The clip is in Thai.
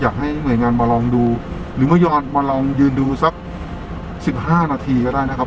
อยากให้หน่วยงานมาลองดูหรือมาลองยืนดูสักสิบห้านาทีก็ได้นะครับ